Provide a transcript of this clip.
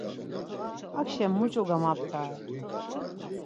Hakşen muç̌o gamaptare?